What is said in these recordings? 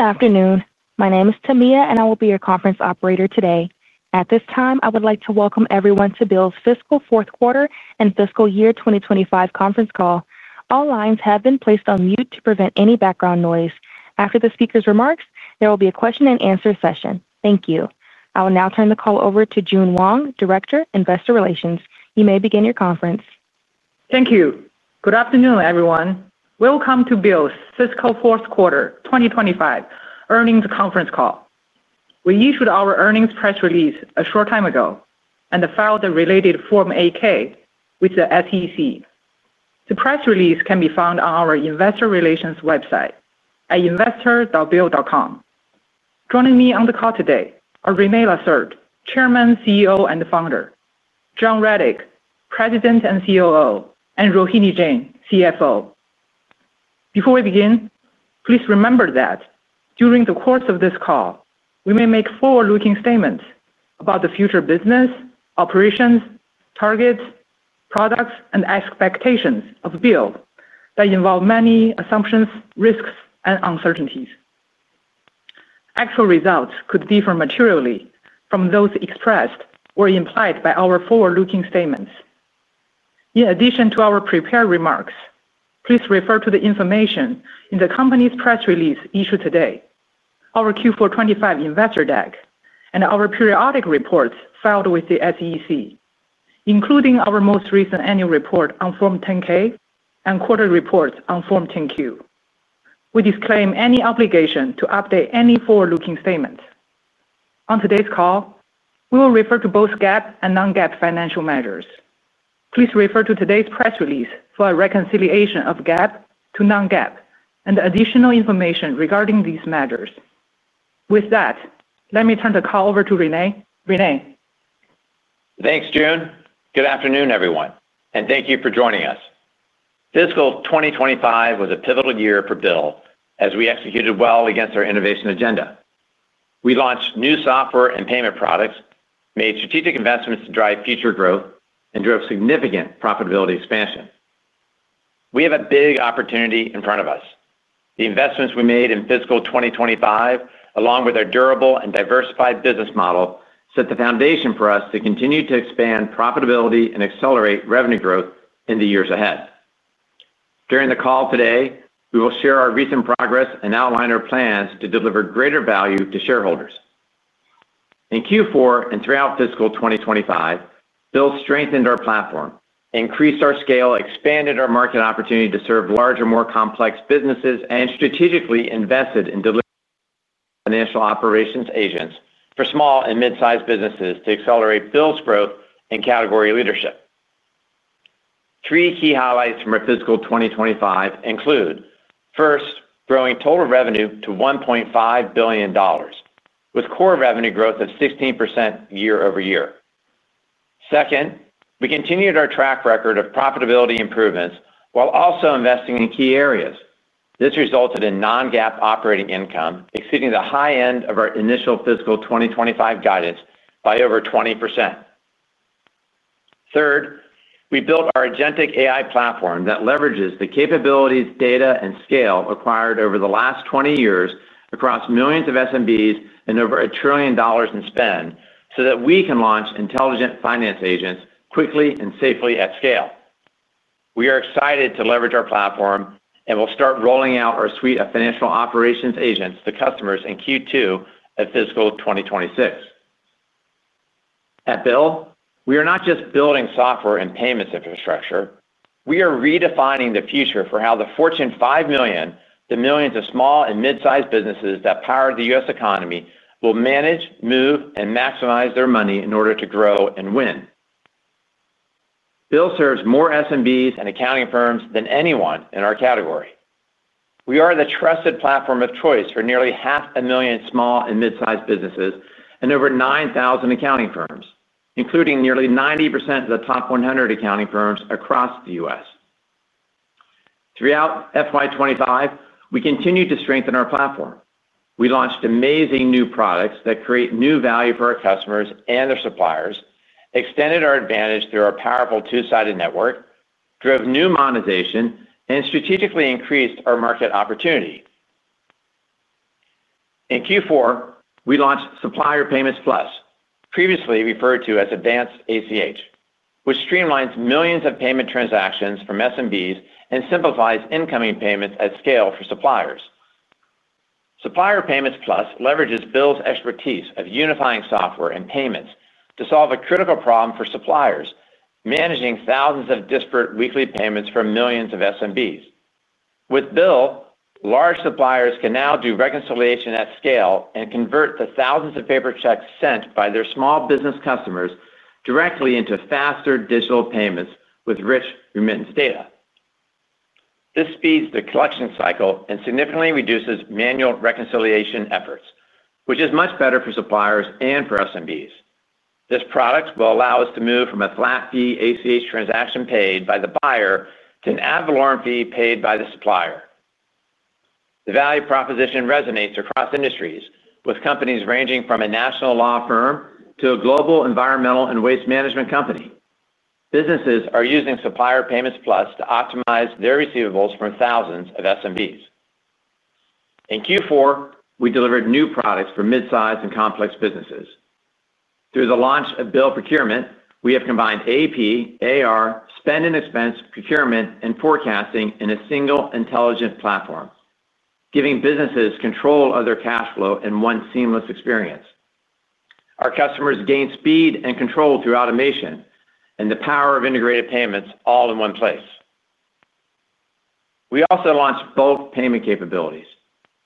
Good afternoon. My name is Tamia and I will be your conference operator today. At this time, I would like to welcome everyone to BILL's Fiscal Fourth Quarter. Fiscal Year 2025 Conference Call. All lines have been placed on mute to prevent any background noise. After the Speaker's remarks, there will be a question and answer session. Thank you. I will now turn the call over. To Jun Wang, Director, Investor Relations. You may begin your conference. Thank you. Good afternoon everyone. Welcome to BILL's fiscal fourth quarter 2025 earnings conference call. We issued our earnings press release a short time ago and filed a related Form 8-K with the SEC. The press release can be found on our investor relations website at investor.bill.com. Joining me on the call today are René Lacerte, Chairman, CEO and Founder, John Rettig, President and COO, and Rohini Jain, CFO. Before we begin, please remember that during the course of this call we may make forward-looking statements about the future business operations, targets, products, and expectations of BILL. that involve many assumptions, risks, and uncertainties. Actual results could differ materially from those expressed or implied by our forward-looking statements. In addition to our prepared remarks, please refer to the information in the company's press release issued today, our Q4 2025 investor deck, and our periodic reports filed with the SEC, including our most recent annual report on Form 10-K and quarterly reports on Form 10-Q. We disclaim any obligation to update any forward-looking statements. On today's call we will refer to both GAAP and non-GAAP financial measures. Please refer to today's press release for a reconciliation of GAAP to non-GAAP and additional information regarding these measures. With that, let me turn the call over to René. René, thanks Jun. Good afternoon everyone and thank you for joining us. Fiscal 2025 was a pivotal year for BILL as we executed well against our innovation agenda. We launched new software and payment products, made strategic investments to drive future growth, and drove significant profitability expansion. We have a big opportunity in front of us. The investments we made in fiscal 2025, along with our durable and diversified business model, set the foundation for us to continue to expand profitability and accelerate revenue growth in the years ahead. During the call today, we will share our recent progress and outline our plans to deliver greater value to shareholders. In Q4 and throughout fiscal 2025, BILL strengthened our platform, increased our scale, expanded our market opportunity to serve larger, more complex businesses, and strategically invested in delivering financial operations agents for small and mid-sized businesses to accelerate BILL's growth and category leadership. Three key highlights from our fiscal 2025 include, first, growing total revenue to $1.5 billion with core revenue growth of 16% year-over-year. Second, we continued our track record of profitability improvements while also investing in key areas. This resulted in non-GAAP operating income exceeding the high end of our initial fiscal 2025 guidance by over 20%. Third, we built our Agentic AI platform that leverages the capabilities, data, and scale acquired over the last 20 years across millions of SMBs and over a trillion dollars in spend so that we can launch intelligent finance agents quickly and safely at scale. We are excited to leverage our platform and will start rolling out our suite of financial operations agents to customers in Q2 and at fiscal 2026. At BILL, we are not just building software and payments infrastructure, we are redefining the future for how the Fortune 5 million, the millions of small and mid-sized businesses that power the U.S. economy, will manage, move, and maximize their money in order to grow and win. BILL serves more SMBs and accounting firms than anyone in our category. We are the trusted platform of choice for nearly half a million small and mid-sized businesses and over 9,000 accounting firms, including nearly 90% of the top 100 accounting firms across the U.S. Throughout FY 2025, we continued to strengthen our platform. We launched amazing new products that create new value for our customers and their suppliers, extended our advantage through our powerful two-sided network, drove new monetization, and strategically increased our market opportunity. In Q4 we launched Supplier Payments Plus, previously referred to as Advanced ACH, which streamlines millions of payment transactions from SMBs and simplifies incoming payments at scale for suppliers. Supplier Payments Plus leverages BILL's expertise of unifying software and payments to solve a critical problem for suppliers managing thousands of disparate weekly payments for millions of SMBs. With BILL, large suppliers can now do reconciliation at scale and convert the thousands of paper checks sent by their small business customers directly into faster digital payments with rich remittance data. This speeds the collection cycle and significantly reduces manual reconciliation efforts, which is much better for suppliers and for SMBs. This product will allow us to move from a flat fee ACH transaction paid by the buyer to an ad valorem fee paid by the supplier. The value proposition resonates across industries with companies ranging from a national law firm to a global environmental and waste management company. Businesses are using Supplier Payments Plus to optimize their receivables for thousands of SMBs. In Q4 we delivered new products for midsize and complex businesses through the launch of BILL Procurement. We have combined AP/AR, Spend and Expense, procurement, and forecasting in a single intelligence platform, giving businesses control of their cash flow in one seamless experience. Our customers gain speed and control through automation and the power of integrated payments all in one place. We also launched bulk payment capabilities,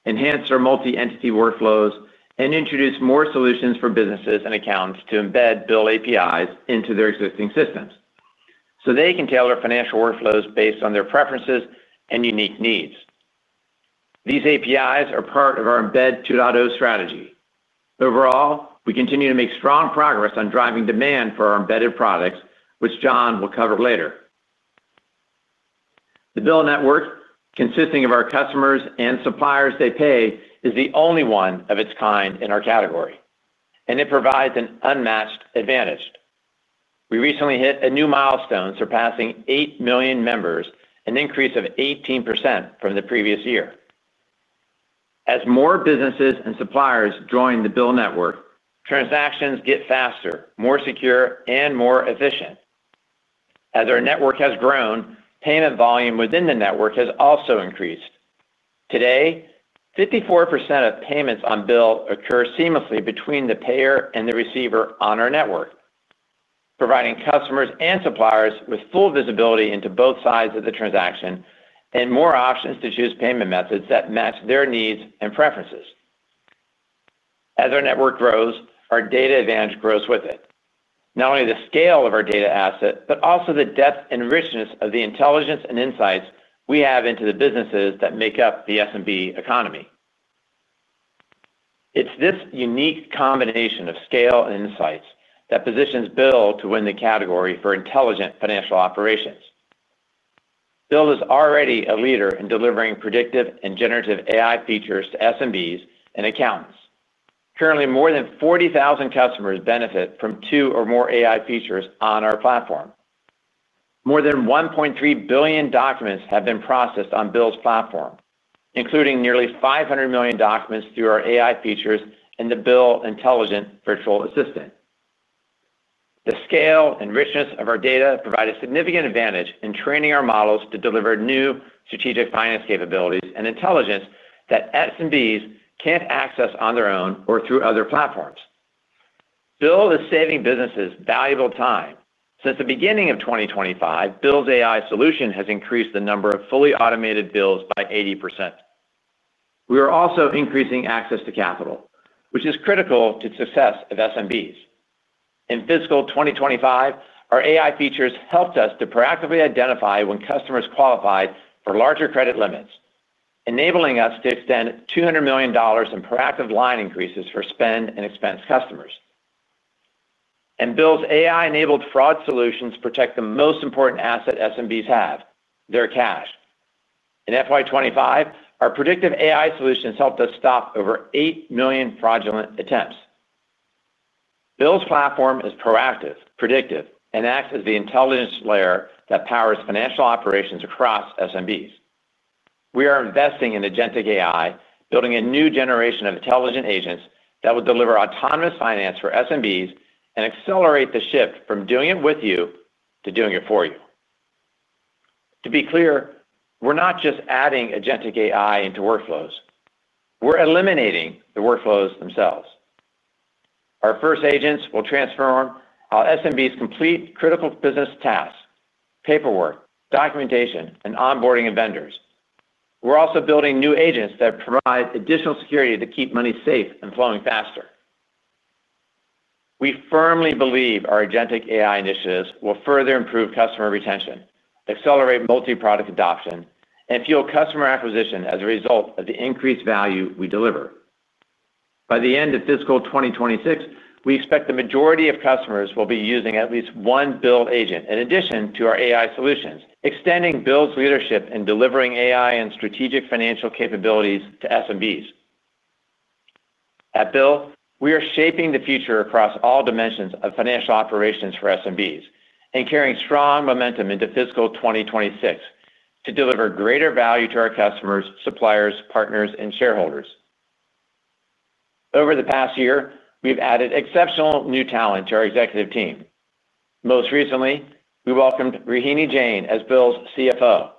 enhanced our multi-entity workflows, and introduced more solutions for businesses and accountants to embed BILL APIs into their existing systems so they can tailor financial workflows based on their preferences and unique needs. These APIs are part of our Embed 2.0 strategy. Overall, we continue to make strong progress on driving demand for our embedded products, which John will cover later. The Bill Network, consisting of our customers and suppliers they pay, is the only one of its kind in our category, and it provides an unmatched advantage. We recently hit a new milestone surpassing 8 million members, an increase of 18% from the previous year. As more businesses and suppliers join the Bill Network, transactions get faster, more secure, and more efficient. As our network has grown, payment volume within the network has also increased. Today, 54% of payments on BILL occur seamlessly between the payer and the receiver on our network, providing customers and suppliers with full visibility into both sides of the transaction and more options to choose payment methods that match their needs and preferences. As our network grows, our data advantage grows with it, not only the scale of our data asset, but also the depth and richness of the intelligence and insights we have into the businesses that make up the SMB economy. It's this unique combination of scale and insights that positions BILL to win the category for intelligent financial operations. BILL is already a leader in delivering predictive and generative AI features to SMBs and accountants. Currently, more than 40,000 customers benefit from two or more AI features on our platform. More than 1.3 billion documents have been processed on BILL's platform, including nearly 500 million documents through our AI features and the BILL Intelligent Virtual Assistant. The scale and richness of our data provide a significant advantage in training our models to deliver new strategic finance capabilities and intelligence that SMBs can't access on their own or through other platforms. BILL is saving businesses valuable time. Since the beginning of 2025, BILL's AI solution has increased the number of fully automated bills by 80%. We are also increasing access to capital, which is critical to the success of SMBs. In fiscal 2025, our AI features helped us to proactively identify when customers qualified for larger credit limits, enabling us to extend $200 million in proactive line increases for Spend and Expense customers. BILL's AI-enabled fraud solutions protect the most important asset SMBs have, their cash, in FY 2025. Our predictive AI solutions helped us stop over 8 million fraudulent attempts. BILL's platform is proactive, predictive, and acts as the intelligence layer that powers financial operations across SMBs. We are investing in Agentic AI, building a new generation of intelligent agents that will deliver autonomous finance for SMBs and accelerate the shift from doing it with you to doing it for you. To be clear, we're not just adding Agentic AI into workflows, we're eliminating the workflows themselves. Our first agents will transform how SMBs complete critical business tasks, paperwork, documentation, and onboarding of vendors. We're also building new agents that provide additional security to keep money safe and flowing faster. We firmly believe our Agentic AI platform initiatives will further improve customer retention, accelerate multi-product adoption, and fuel customer acquisition. As a result of the increased value we deliver, by the end of fiscal 2026, we expect the majority of customers will be using at least one intelligent finance agent in addition to our AI solutions. Extending BILL's leadership in delivering AI and strategic financial capabilities to SMBs, at BILL, we are shaping the future across all dimensions of financial operations for SMBs and carrying strong momentum into fiscal 2026 to deliver greater value to our customers, suppliers, partners, and shareholders. Over the past year, we've added exceptional new talent to our executive team. Most recently, we welcomed Rohini Jain as BILL's Chief Financial Officer.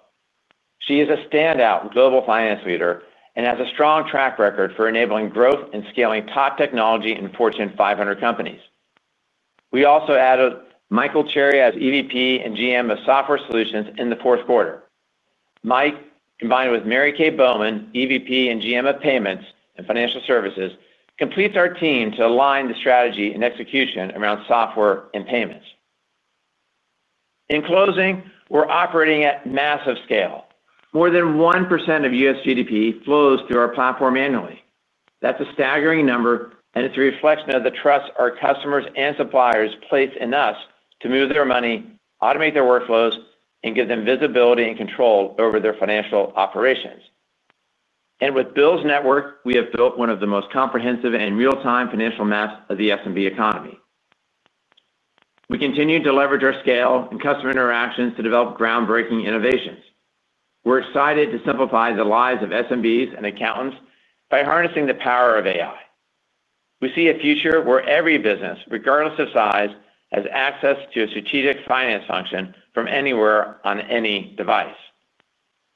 She is a standout global finance leader and has a strong track record for enabling growth and scaling top technology in Fortune 500 companies. We also added Michael Cherry as Executive Vice President and General Manager of Software Solutions. In the fourth quarter, Mike, combined with Mary Kay Bowman, EVP and GM of Payments and Financial Services, completes our team to align the strategy and execution around software and payments. In closing, we're operating at massive scale. More than 1% of U.S. GDP flows through our platform annually. That's a staggering number, and it's a reflection of the trust our customers and suppliers place in us to move their money, automate their workflows, and give them visibility and control over their financial operations. With the BILL Network, we have built one of the most comprehensive and real-time financial maps of the SMB economy. We continue to leverage our scale and customer interactions to develop groundbreaking innovations. We're excited to simplify the lives of SMBs and accountants by harnessing the power of AI. We see a future where every business, regardless of size, has access to a strategic finance function from anywhere on any device.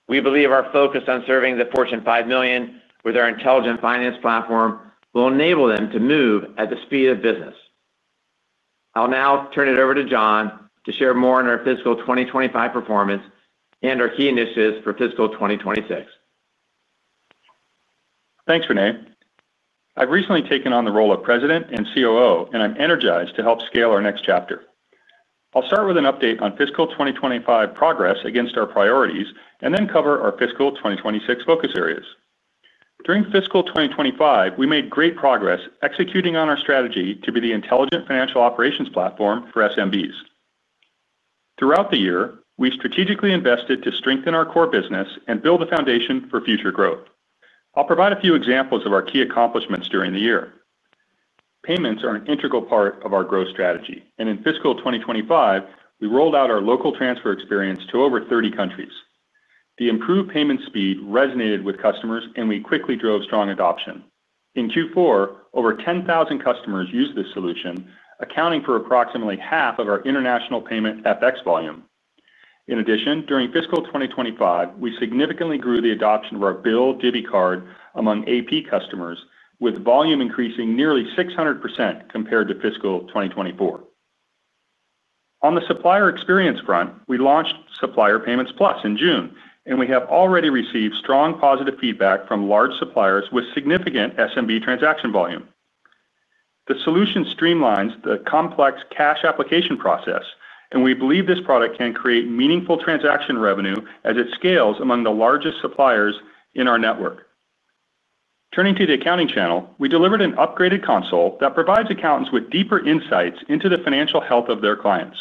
We believe our focus on serving the Fortune 5 million with our intelligent finance platform will enable them to move at the speed of business. I'll now turn it over to John to share more on our fiscal 2025 performance and our key initiatives for fiscal 2026. Thanks, René. I've recently taken on the role of President and COO, and I'm energized to help scale our next chapter. I'll start with an update on fiscal 2025 progress against our priorities and then cover our fiscal year 2026 focus areas. During fiscal year 2025, we made great progress executing on our strategy to be the intelligent financial operations platform for SMBs. Throughout the year, we strategically invested to strengthen our core business and build a foundation for future growth. I'll provide a few examples of our key accomplishments during the year. Payments are an integral part of our growth strategy, and in fiscal 2025 we rolled out our local transfer experience to over 30 countries. The improved payment speed resonated with customers, and we quickly drove strong adoption. In Q4, over 10,000 customers used this solution, accounting for approximately half of our international payment FX volume. In addition, during fiscal year 2025 we significantly grew the adoption of our BILL Divvy card among AP customers, with volume increasing nearly 600% compared to fiscal 2024. On the supplier experience front, we launched Supplier Payments Plus in June, and we have already received strong positive feedback from large suppliers with significant SMB transaction volume. The solution streamlines the complex cash application process, and we believe this product can create meaningful transaction revenue as it scales among the largest suppliers in our network. Turning to the accounting channel, we delivered an upgraded console that provides accountants with deeper insights into the financial health of their clients.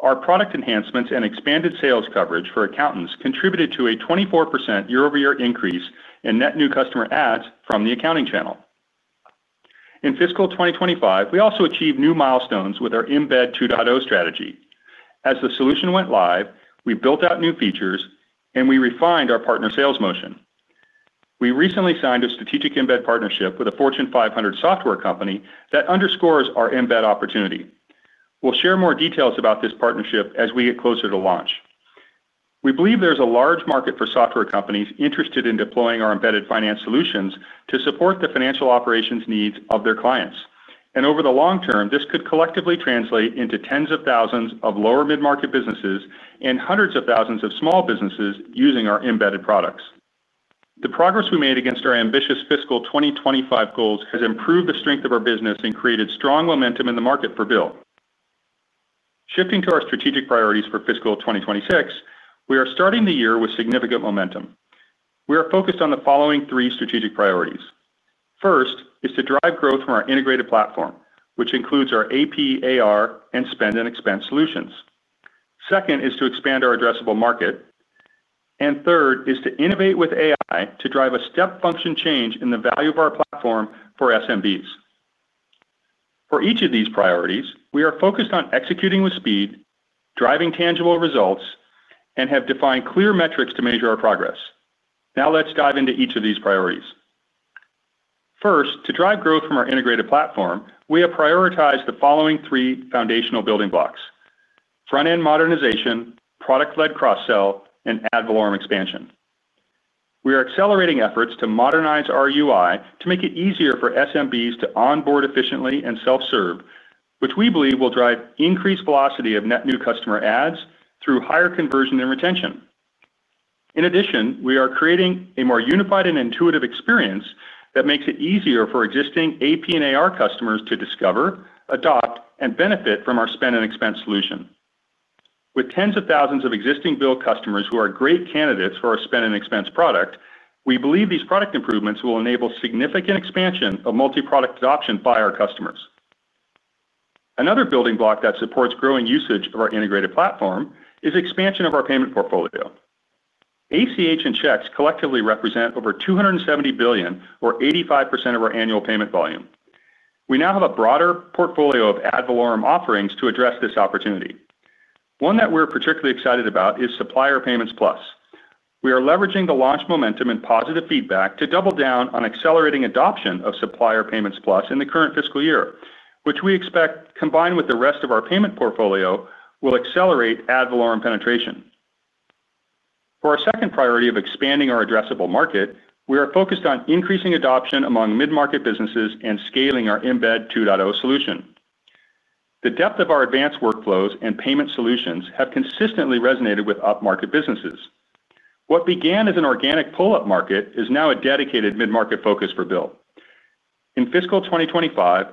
Our product enhancements and expanded sales coverage for accountants contributed to a 24% year-over-year increase in net new customer adds from the accounting channel. In fiscal 2025, we also achieved new milestones with our Embed 2.0 strategy. As the solution went live, we built out new features and we refined our partner sales motion. We recently signed a strategic embed partnership with a Fortune 500 software company that underscores our embed opportunity. We'll share more details about this partnership as we get closer to launch. We believe there's a large market for software companies interested in deploying our embedded finance solutions to support the financial operations of their clients, and over the long term, this could collectively translate into tens of thousands of lower mid-market businesses and hundreds of thousands of small businesses using our embedded products. The progress we made against our ambitious fiscal 2025 goals has improved the strength of our business and created strong momentum in the market for BILL. Shifting to our strategic priorities for fiscal 2026, we are starting the year with significant momentum. We are focused on the following three strategic priorities. First is to drive growth from our integrated platform, which includes our AP, AR and Spend and Expense solutions. Second is to expand our addressable market, and third is to innovate with AI to drive a step function change in the value of our platform for SMBs. For each of these priorities, we are focused on executing with speed, driving tangible results, and have defined clear metrics to measure our progress. Now let's dive into each of these priorities. First, to drive growth from our integrated platform, we have prioritized the following three foundational building blocks: front-end modernization, product-led cross-sell, and ad valorem expansion. We are accelerating efforts to modernize our UI to make it easier for SMBs to onboard efficiently and self-serve, which we believe will drive even increased velocity of net new customer adds through higher conversion and retention. In addition, we are creating a more unified and intuitive experience that makes it easier for existing AP and AR customers to discover, adopt, and benefit from our Spend and Expense solution. With tens of thousands of existing BILL customers who are great candidates for our Spend and Expense product, we believe these product improvements will enable significant expansion of multi-product adoption by our customers. Another building block that supports growing usage of our integrated platform is expansion of our payment portfolio. ACH and checks collectively represent over $270 billion, or 85%, of our annual payment volume. We now have a broader portfolio of ad valorem offerings to address this opportunity. One that we're particularly excited about is Supplier Payments Plus. We are leveraging the launch momentum and positive feedback to double down on accelerating adoption of Supplier Payments Plus in the current fiscal year, which we expect, combined with the rest of our payment portfolio, will accelerate ad valorem product penetration. For our second priority of expanding our addressable market, we are focused on increasing adoption among mid-market businesses and scaling our Embed 2.0 solution. The depth of our advanced workflows and payment solutions has consistently resonated with upmarket businesses. What began as an organic pull upmarket is now a dedicated mid-market focus for BILL. In fiscal 2025,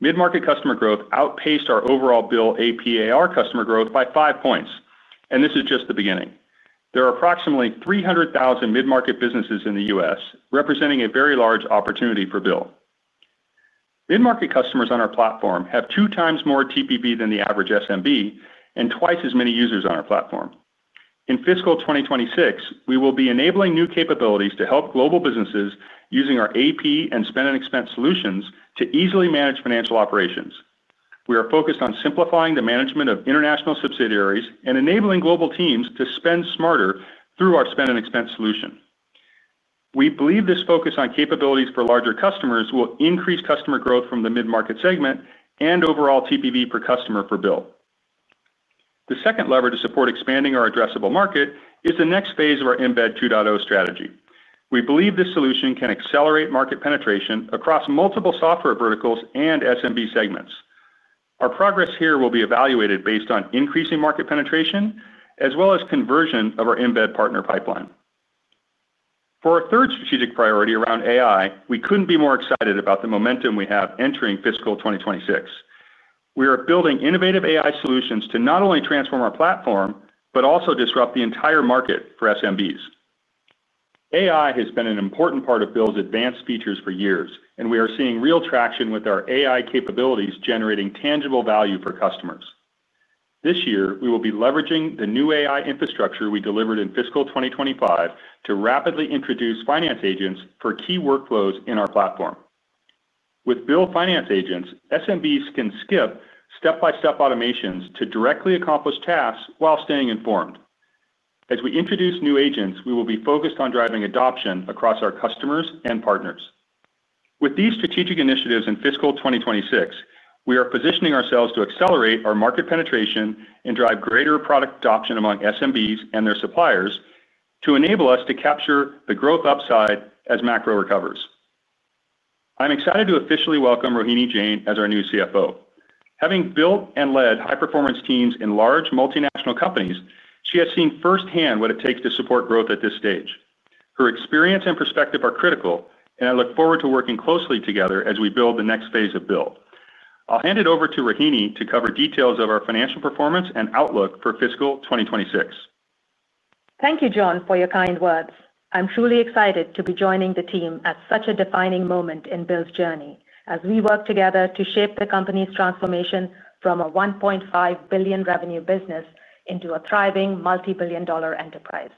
mid-market customer growth outpaced our overall BILL AP/AR customer growth by 5 points, and this is just the beginning. There are approximately 300,000 mid-market businesses in the U.S., representing a very large opportunity for BILL. Mid-market customers on our platform have two times more TPV than the average SMB and twice as many users on our platform. In fiscal 2026, we will be enabling new capabilities to help global businesses using our AP and Spend and Expense management solutions to easily manage financial operations. We are focused on simplifying the management of international subsidiaries and enabling global teams to spend smarter through our Spend and Expense management solution. We believe this focus on capabilities for larger customers will increase customer growth from the mid-market segment and overall TPV per customer. For BILL, the second lever to support expanding our addressable market is the next phase of our Embed 2.0 strategy. We believe this solution can accelerate market penetration across multiple software verticals and SMB segments. Our progress here will be evaluated based on increasing market penetration as well as conversion of our Embed partner pipeline. For our third strategic priority around AI, we couldn't be more excited about the momentum we have entering fiscal 2026. We are building innovative AI solutions to not only transform our platform, but also disrupt the entire market for SMBs. AI has been an important part of BILL's advanced features for years, and we are seeing real traction with our AI capabilities generating tangible value for customers. This year, we will be leveraging the new AI infrastructure we delivered in fiscal 2025 to rapidly introduce intelligent finance agents for key workflows in our platform. With intelligent finance agents, SMBs can skip step by step automations to directly accomplish tasks while staying informed. As we introduce new agents, we will be focused on driving adoption across our customers and partners. With these strategic initiatives in fiscal 2026, we are positioning ourselves to accelerate our market penetration and drive greater product adoption among SMBs and their suppliers to enable us to capture the growth upside as macro recovers. I'm excited to officially welcome Rohini Jain as our new CFO. Having built and led high performance teams in large multinational companies, she has seen firsthand what it takes to support growth at this stage. Her experience and perspective are critical and I look forward to working closely together as we build the next phase of BILL. I'll hand it over to Rohini to cover details of our financial performance and outlook for fiscal 2026. Thank you, John, for your kind words. I'm truly excited to be joining the team at such a defining moment in BILL's journey as we work together to shape the company's transformation from a $1.5 billion revenue business into a thriving multibillion dollar enterprise.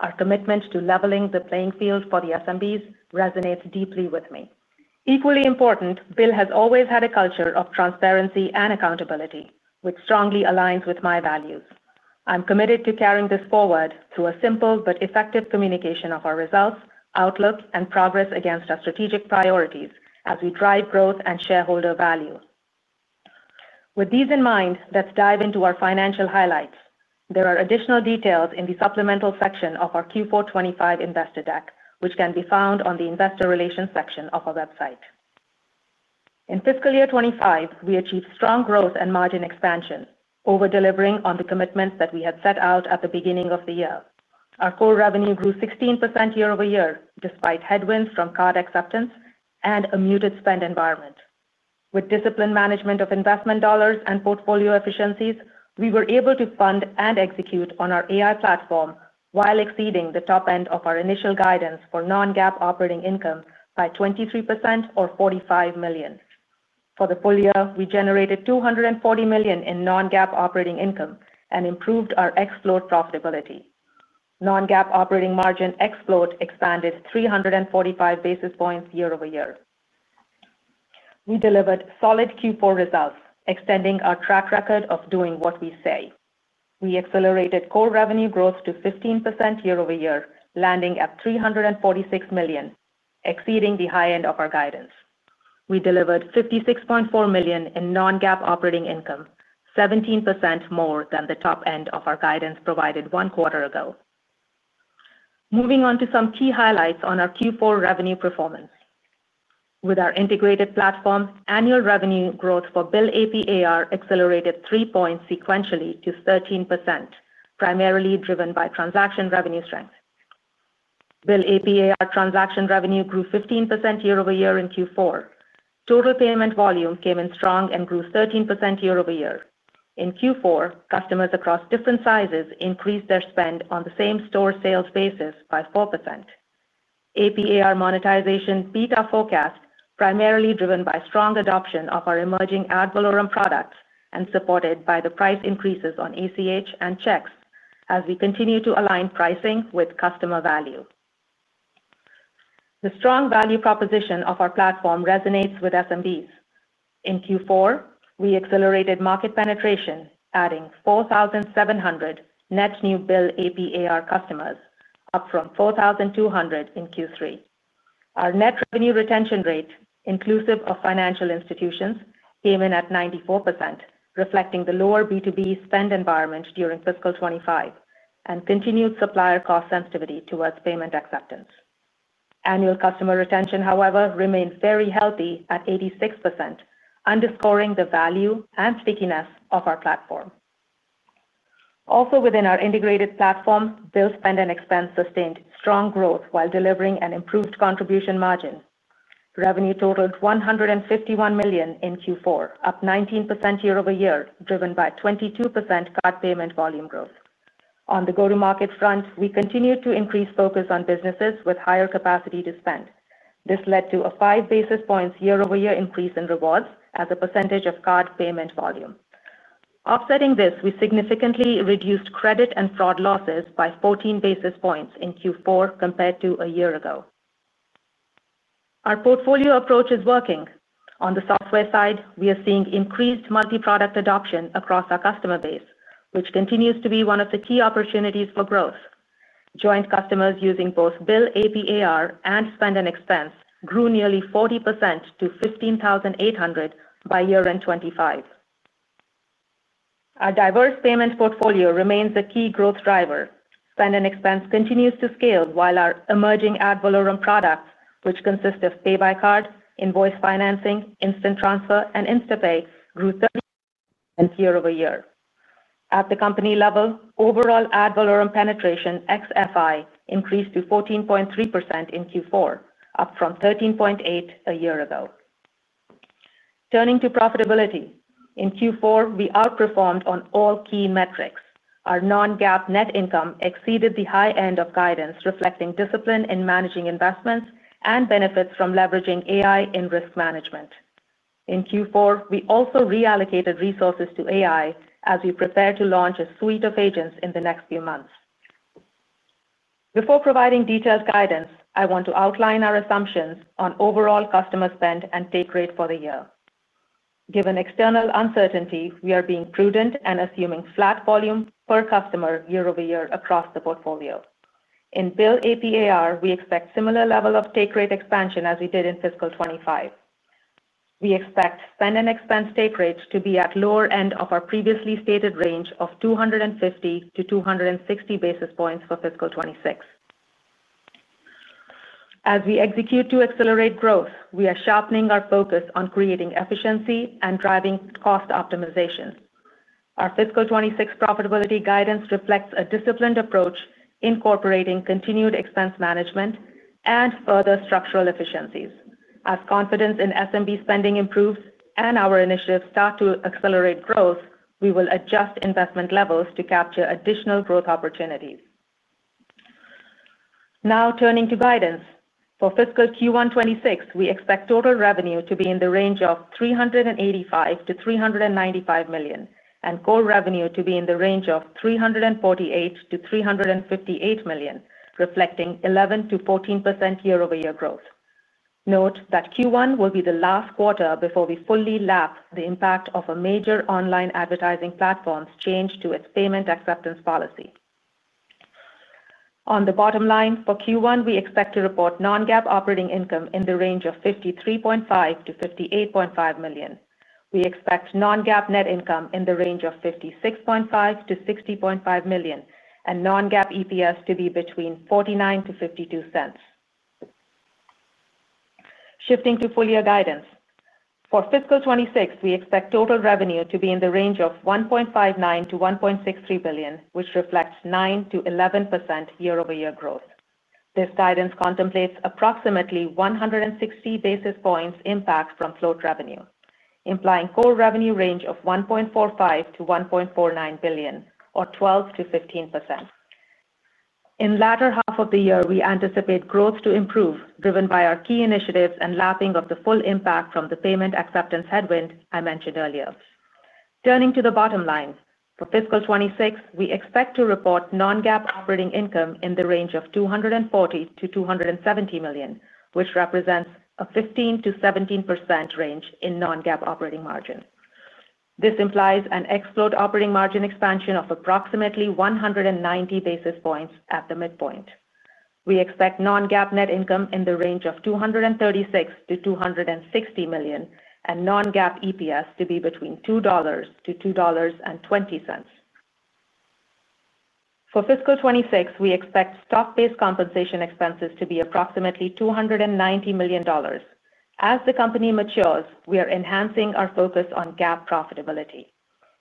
Our commitment to leveling the playing field for the SMBs resonates deeply with me. Equally important, BILL has always had a culture of transparency and accountability, which strongly aligns with my values. I'm committed to carrying this forward through a simple but effective communication of our results, outlook, and progress against our strategic priorities as we drive growth and shareholder value. With these in mind, let's dive into our financial highlights. There are additional details in the supplemental section of our Q4 2025 investor deck, which can be found on the Investor Relations section of our website. In fiscal year 2025, we achieved strong growth and margin expansion, over delivering on the commitments that we had set out at the beginning of the year. Our core revenue grew 16% year-over-year despite headwinds from card acceptance and a muted spend environment. With disciplined management of investment dollars and portfolio efficiencies, we were able to fund and execute on our AI platform while exceeding the top end of our initial guidance for non-GAAP operating income by 23% or $45 million. For the full year. We generated $240 million in non-GAAP operating income and improved our Explore profitability. Non-GAAP operating margin expanded 345 basis points year-over-year. We delivered solid Q4 results, extending our track record of doing what we say. We accelerated core revenue growth to 15% year-over-year, landing at $346 million, exceeding the high end of our guidance. We delivered $56.4 million in non-GAAP operating income, 17% more than the top end of our guidance provided one quarter ago. Moving on to some key highlights on our Q4 revenue performance, with our integrated platform, annual revenue growth for Bill AP/AR accelerated three points sequentially to 13%, primarily driven by transaction revenue strength. Bill AP/AR transaction revenue grew 15% year-over-year in Q4. Total payment volume came in strong and grew 13% year-over-year in Q4. Customers across different sizes increased their spend on the same-store sales basis by 4%. APAR monetization beat our forecast, primarily driven by strong adoption of our emerging ad valorem products and supported by the price increases on ACH and checks. As we continue to align pricing with customer value, the strong value proposition of our platform resonates with SMBs. In Q4, we accelerated market penetration, adding 4,700 net new BILL AP/AR customers, up from 4,200 in Q3. Our net revenue retention rate, inclusive of financial institutions, came in at 94%, reflecting the lower B2B spend environment during fiscal 2025 and continued supplier cost sensitivity towards payment acceptance. Annual customer retention, however, remained very healthy at 86%, underscoring the value and stickiness of our platform. Also within our integrated platform, BILL Spend and Expense sustained strong growth while delivering an improved contribution margin. Revenue totaled $151 million in Q4, up 19% year-over-year, driven by 22% card payment volume growth. On the go-to-market front, we continued to increase focus on businesses with higher capacity to spend. This led to a 5 basis points year-over-year increase in rewards as a percentage of card payment volume. Offsetting this, we significantly reduced credit and fraud losses by 14 basis points in Q4 compared to a year ago. Our portfolio approach is working. On the software side, we are seeing increased multi-product adoption across our customer base, which continues to be one of the key opportunities for growth. Joint customers using both BILL AP/AR and Spend and Expense grew nearly 40% to 15,800 by year end 2025. Our diverse payment portfolio remains a key growth driver. Spend and Expense continues to scale while our emerging ad valorem products, which consist of Pay by Card, invoice financing, instant transfer, and Instapay, grew 30% year-over-year. At the company level, overall ad valorem product penetration excluding FX increased to 14.3% in Q4, up from 13.8% a year ago. Turning to profitability in Q4, we outperformed on all key metrics. Our non-GAAP net income exceeded the high end of guidance, reflecting discipline in managing investments and benefits from leveraging AI in risk management. In Q4, we also reallocated resources to AI as we prepare to launch a suite of intelligent finance agents in the next few months. Before providing detailed guidance, I want to outline our assumptions on overall customer spend and take rate for the year. Given external uncertainty, we are being prudent and assuming flat volume per customer year-over-year across the portfolio. In BILL AP/AR, we expect a similar level of take rate expansion as we did in fiscal 2025. We expect Spend and Expense take rate to be at the lower end of our previously stated range of 250-260 basis points for fiscal 2026. As we execute to accelerate growth, we are sharpening our focus on creating efficiency and driving disciplined cost optimization. Our fiscal 2026 profitability guidance reflects a disciplined approach, incorporating continued expense management and further structural efficiencies. As confidence in SMB spending improves and our initiatives start to accelerate growth, we will adjust investment levels to capture additional growth opportunities. Now turning to guidance for fiscal Q1 2026, we expect total revenue to be in the range of $385 million-$395 million and core revenue to be in the range of $348 million-$358 million, reflecting 11%-14% year-over-year growth. Note that Q1 will be the last quarter before we fully lap the impact of a major online advertising platform's change to its payment acceptance policy. On the bottom line for Q1, we expect to report non-GAAP operating income in the range of $53.5 million-$58.5 million. We expect non-GAAP net income in the range of $56.5 million-$60.5 million and non-GAAP EPS to be between $0.49-$0.52. Shifting to full year guidance for fiscal 2026, we expect total revenue to be in the range of $1.59 billion-$1.63 billion, which reflects 9%-11% year-over-year growth. This guidance contemplates approximately 160 basis points impact from float revenue, implying core revenue range of $1.45 billion-$1.49 billion or 12%-15% in latter half of the year. We anticipate growth to improve driven by our key initiatives and lapping of the full impact from the payment acceptance headwind I mentioned earlier. Turning to the bottom line, for fiscal 2026 we expect to report non-GAAP operating income in the range of $240 million-$270 million, which represents a 15%-17% range in non-GAAP operating margin. This implies an operating margin expansion of approximately 190 basis points. At the midpoint, we expect non-GAAP net income in the range of $236 million-$260 million and non-GAAP EPS to be between $2-$2.20. For fiscal 2026, we expect stock-based compensation expenses to be approximately $290 million. As the company matures, we are enhancing our focus on GAAP profitability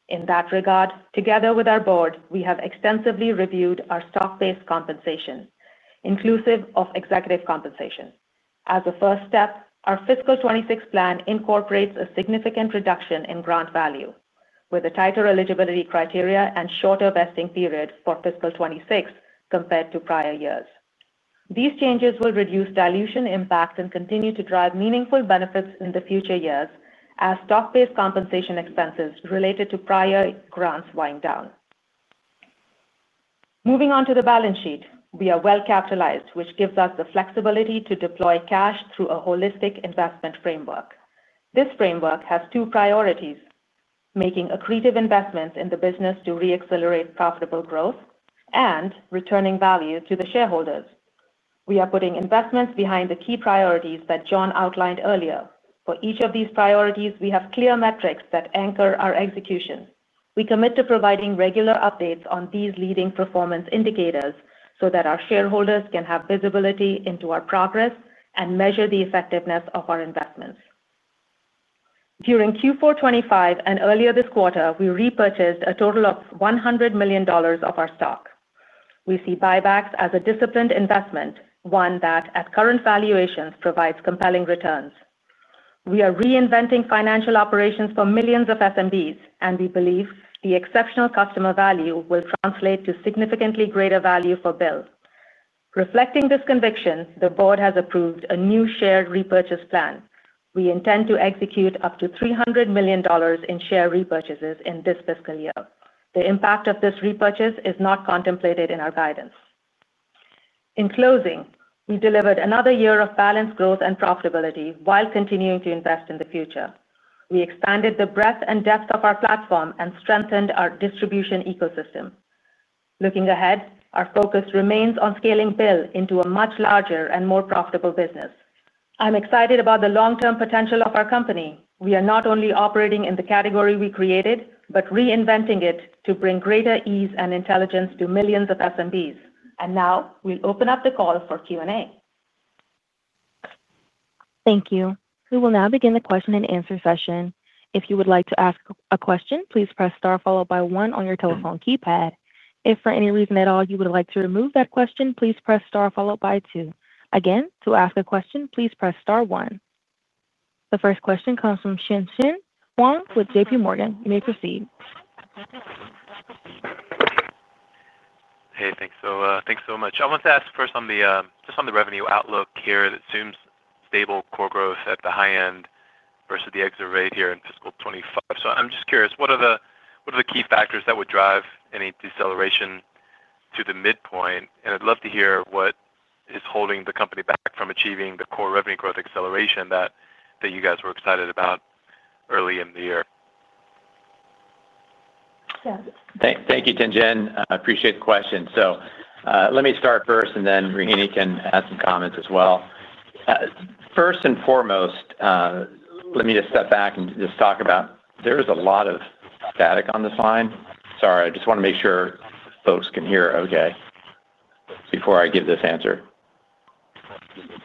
in that regard. Together with our Board, we have extensively reviewed our stock-based compensation, inclusive of executive compensation. As a first step, our fiscal 2026 plan incorporates a significant reduction in grant value with a tighter eligibility criteria and shorter vesting period for fiscal year 2026 compared to prior years. These changes will reduce dilution impacts and continue to drive meaningful benefits in the future years as stock-based compensation expenses related to prior grants wind down. Moving on to the balance sheet, we are well capitalized, which gives us the flexibility to deploy cash through a holistic investment framework. This framework has two: making accretive investments in the business to re-accelerate profitable growth and returning value to the shareholders. We are putting investments behind the key priorities that John outlined earlier. For each of these priorities, we have clear metrics that anchor our execution. We commit to providing regular updates on these leading performance indicators so that our shareholders can have visibility into our progress and measure the effectiveness of our investments. During Q4 2025 and earlier this quarter, we repurchased a total of $100 million of our stock. We see buybacks as a disciplined investment, one that at current valuations provides compelling returns. We are reinventing financial operations for millions of SMBs, and we believe the exceptional customer value will translate to significantly greater value for BILL. Reflecting this conviction, the Board has approved a new share repurchase plan. We intend to execute up to $300 million in share repurchases in this fiscal year. The impact of this repurchase is not contemplated in our guidance. In closing, we delivered another year of balanced growth and profitability while continuing to invest in the future. We expanded the breadth and depth of our platform and strengthened our distribution ecosystem. Looking ahead, our focus remains on scaling BILL into a much larger and more profitable business. I'm excited about the long term potential of our company. We are not only operating in the category we created, but reinventing it to bring greater ease and intelligence to millions of SMBs. We now open up the call for Q&A. Thank you. We will now begin the question and answer session. If you would like to ask a question, please press Star followed by one. On your telephone keypad. If for any reason at all you would like to remove that question, please press star followed by two. Again, to ask a question, please press star one. The first question comes from Tien-tsin Huang with JPMorgan. You may proceed. Hey, thanks so much. I want to ask first on the revenue outlook here. It seems stable core growth at the high end versus the exit rate here in fiscal year 2025. I'm just curious, what are the key factors that would drive any deceleration to the midpoint? I'd love to hear what is holding the company back from achieving the core revenue growth acceleration that you guys were excited about early in the year. Thank you, Tien-tsin. I appreciate the question. Let me start first and then Rohini can add some comments as well. First and foremost, let me just step back and talk about—there is a lot of static on this line. Sorry, I just want to make sure folks can hear okay before I give this answer.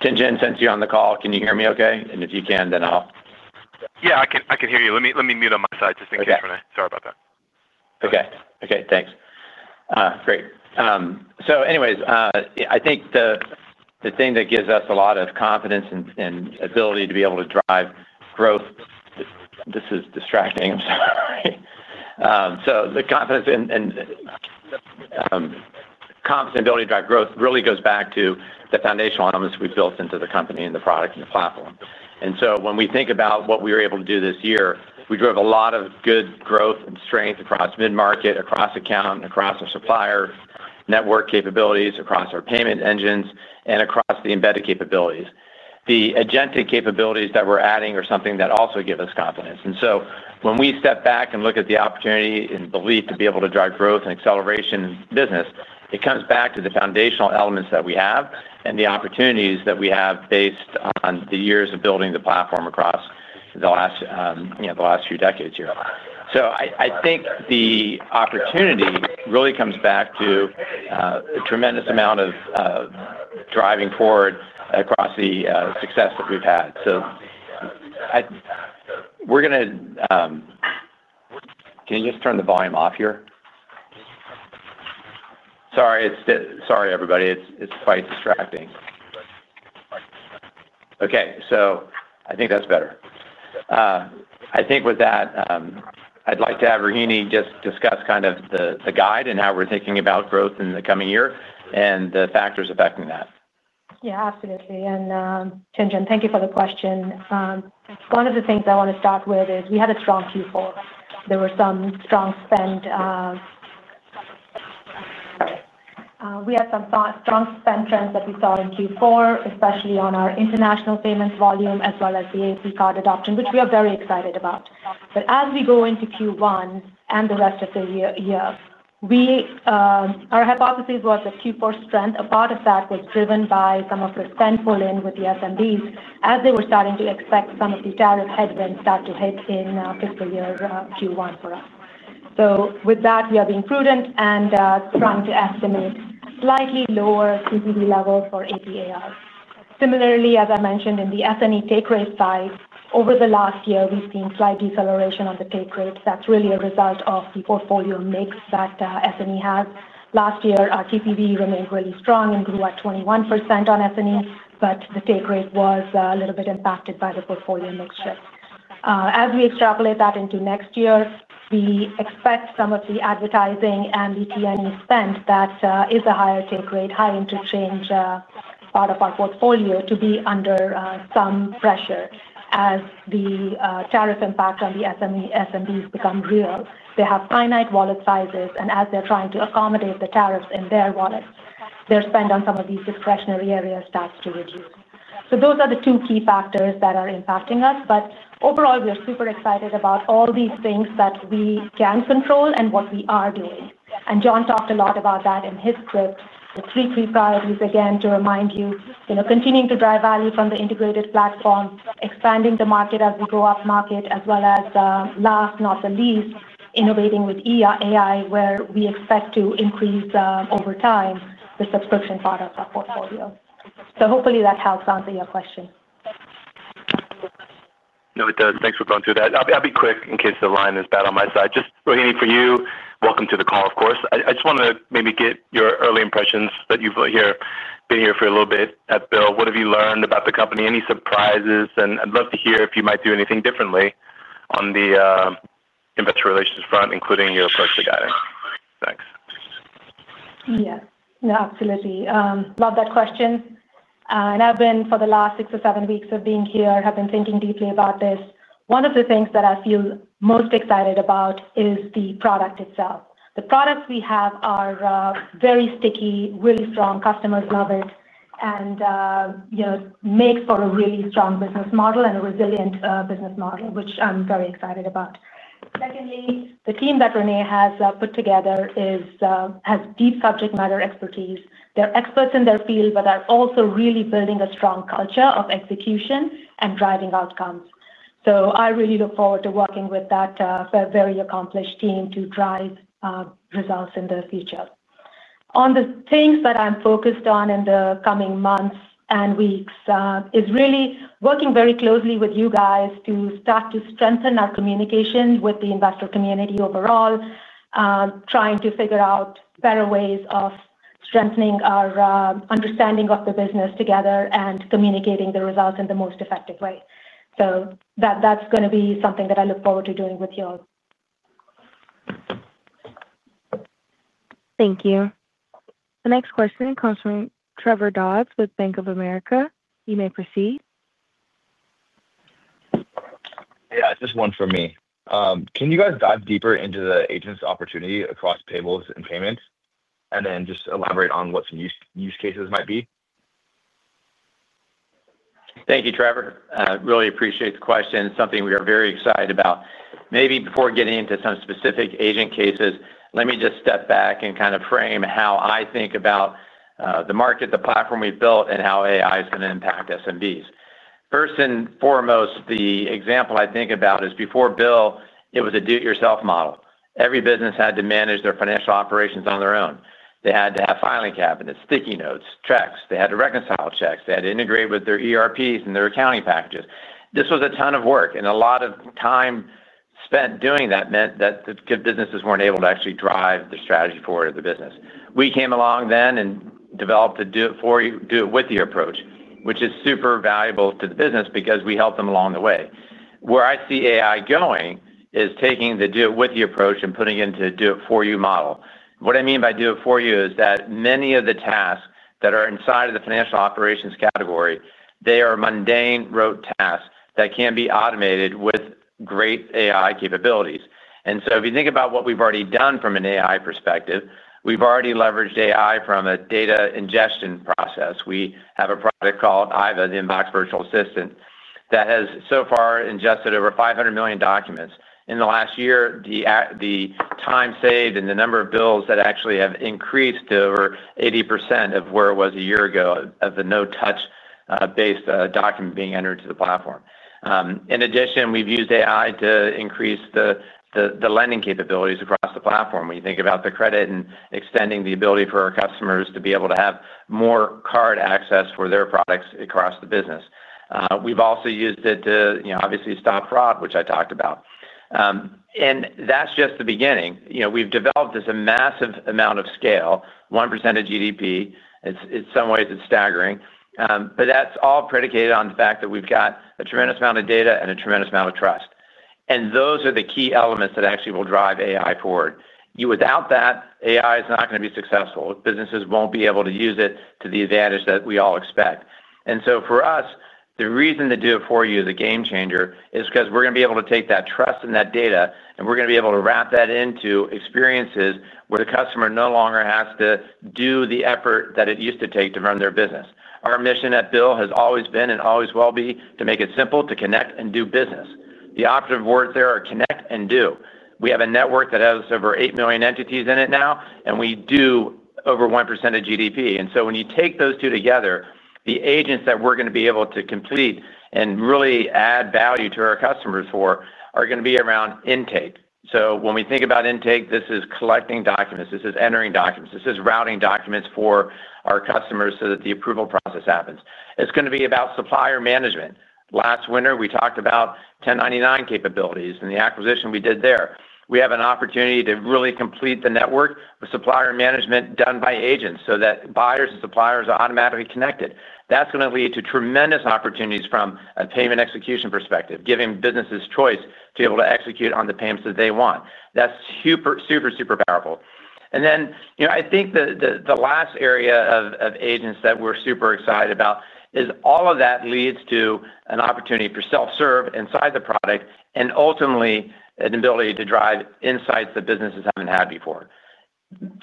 Tien-tsin, since you're on the call, can you hear me okay? If you can, then I'll— Yeah, I can. I can hear you. Let me. Let me mute on my side just in case. René, sorry about that. Okay, thanks. Great. I think the thing that gives us a lot of confidence and ability to be able to drive growth really goes back to the foundational elements we've built into the company and the product and the platform. When we think about what we were able to do this year, we drove a lot of good growth strength across mid-market, across account, across our supplier network capabilities, across our payment engines, and across the embedded capabilities. The agentic capabilities that we're adding are something that also give us confidence. When we step back and look at the opportunity and belief to be able to drive growth and acceleration in the business, it comes back to the foundational elements that we have and the opportunities that we have based on the years of building the platform across the last few decades here. I think the opportunity really comes back to a tremendous amount of driving forward across the success that we've had. Can you just turn the volume off here? Sorry, it's quite distracting. I think that's better. With that, I'd like to have Rohini just discuss kind of the guide and how we're thinking about growth in the coming year and the factors affecting that. Yeah, absolutely. Tien-tsin, thank you for the question. One of the things I want to start with is we had a strong Q4. There were some strong spend trends that we saw in Q4, especially on our international payments volume as well as the AP card adoption, which we are very excited about. As we go into Q1 and the rest of the year, our hypothesis was that Q4 strength, a part of that was driven by some of the spend falling in with the SMBs as they were starting to expect some of the tariff headwinds to start to hit in fiscal year Q1 for us. With that, we are being prudent and trying to estimate slightly lower CBD levels for APAs. Similarly, as I mentioned on the S&E take rate side, over the last year we've seen slight deceleration on the take rate. That's really a result of the portfolio mix that S&E has. Last year our TPV remained really strong and grew at 21% on F&E, but the take rate was a little bit impacted by the portfolio mix shift. As we extrapolate that into next year, we expect some of the advertising and the TNE spend that is a higher take rate, high interest range part of our portfolio to be under some pressure as the tariff impact on the SMBs becomes real. They have finite wallet sizes, and as they're trying to accommodate the tariffs in their wallets, their spend on some of these discretionary areas starts to reduce. Those are the two key factors that are impacting us. Overall, we are super excited about all these things that we can control. What we are doing. John talked a lot about that in his tip. The three priorities, again to remind you, are continuing to drive value from the integrated platform, expanding the market as we go up market, as well as, last not the least, innovating with AI where we expect to increase over time the subscription part of the portfolio. Hopefully that helps answer your question. No, it does. Thanks for going through that. I'll be quick in case the line is bad on my side. Just Rohini, for you, welcome to the call. Of course. I just want to get your early impressions that you've been here for a little bit at BILL. What have you learned about the company? Any surprises? I'd love to hear. If you might do anything differently on the inventory relations front. Including you, of course, the guy. Thanks. Absolutely love that question. I've been, for the last six or seven weeks of being here, thinking deeply about this. One of the things that I feel most excited about is the product itself. The products we have are very sticky. Really strong customers love it, and it makes for a really strong business model and a resilient business model, which I'm very excited about. Secondly, the team that René has put together has deep subject matter expertise. They're experts in their field, but are also really building a strong culture of execution and driving outcomes. I really look forward to working with that very accomplished team to drive results in the future. On the things that I'm focused on in the coming months and weeks, I'm really working very closely with you guys to start to strengthen our communication with the investor community overall, trying to figure out better ways of strengthening our understanding of the business together and communicating the results in the most effective way. That's going to be something that I look forward to doing with you all. Thank you. The next question comes from Trevor Dodds with Bank of America. You may proceed. Just one for me. Can you guys dive deeper into the agent's opportunity across payables and payments and then just elaborate on what some use cases might be. Thank you, Trevor. Really appreciate the question. Something we are very excited about. Maybe before getting into some specific agent cases, let me just step back and kind of frame how I think about the market, the platform we've built, and how AI is going to impact SMBs first and foremost. The example I think about is before BILL, it was a do it yourself model. Every business had to manage their financial operations on their own. They had to have filing cabinets, sticky notes, checks. They had to reconcile checks, they had to integrate with their ERPs and their accounting packages. This was a ton of work, and a lot of time spent doing that meant that the businesses weren't able to actually drive the strategy forward of the business. We came along then and developed to do it for you, do it with the approach, which is super valuable to the business because we help them along the way. Where I see AI going is taking the do it with you approach and putting it into do it for you model. What I mean by do it for you is that many of the tasks that are inside of the financial operations category, they are mundane, rote tasks that can be automated with great AI capabilities. If you think about what we've already done from an AI perspective, we've already leveraged AI from a data ingestion process. We have a product called IVA, the Inbox Virtual Assistant, that has so far ingested over 500 million documents in the last year. The time saved and the number of bills that actually have increased to over 80% of where it was a year ago of the no touch based document being entered to the platform. In addition, we've used AI to increase the lending capabilities across the platform. When you think about the credit and extending the ability for our customers to be able to have more card access for their products across the business. We've also used it to obviously stop fraud, which I talked about. That's just the beginning. We've developed this a massive amount of scale, 1% of GDP. In some ways it's staggering. That's all predicated on the fact that we've got a tremendous amount of data and a tremendous amount of trust. Those are the key elements that actually will drive AI forward. Without that, AI is not going to be successful. Businesses won't be able to use it to the advantage that we all expect. For us, the reason to do it for you is a game changer because we're going to be able to take that trust in that data and we're going to be able to wrap that into experiences where the customer no longer has to do the effort that it used to take to run their business. Our mission at BILL has always been and always will be to make it simple to connect and do business. The operative words there are connect and do. We have a network that has over 8 million entities in it now and we do over 1% of GDP. When you take those two together, the agents that we're going to be able to complete and really add value to our customers are going to be around intake. When we think about intake, this is collecting documents, this is entering documents, this is routing documents for our customers so that the approval process happens. It's going to be about supplier management. Last winter we talked about 1099 capabilities and the acquisition we did there. We have an opportunity to really complete the network with supplier management done by agents so that buyers and suppliers are automatically connected. That's going to lead to tremendous opportunities from a payment execution perspective, giving businesses choice to be able to execute on the payments that they want. That's super, super, super powerful. I think the last area of agents that we're super excited about is all of that leads to an opportunity for self-serve inside the product and ultimately an ability to drive insights that businesses haven't had before.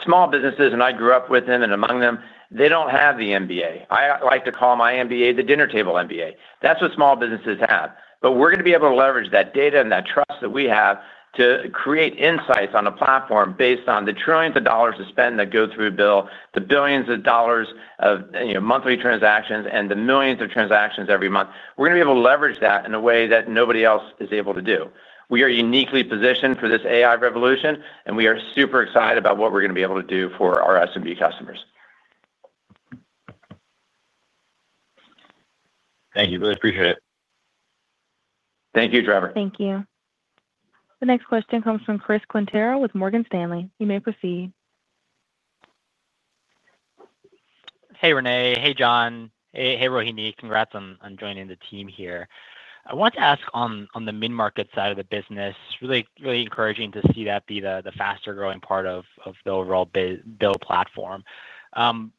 Small businesses, and I grew up with them and among them, they don't have the MBA. I like to call my MBA the dinner table MBA. That's what small businesses have. We're going to be able to leverage that data and that trust that we have to create insights on a platform based on the trillions of dollars of spend that go through BILL, the billions of dollars of monthly transactions, and the millions of transactions every month. We're able to leverage that in a way that nobody else is able to do. We are uniquely positioned for this AI revolution and we are super excited about what we're going to be able to do for our SMB customers. Thank you. Really appreciate it. Thank you, Trevor. Thank you. The next question comes from Chris Quintero with Morgan Stanley. You may proceed. Hey René. Hey John. Hey Rohini. Congrats on joining the team here. I want to ask on the mid-market side of the business, really encouraging to see that be the faster growing part of the overall BILL platform. I'm